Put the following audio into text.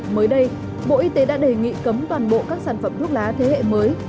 mới đây bộ y tế đã đề nghị cấm toàn bộ các sản phẩm thuốc lá thế hệ mới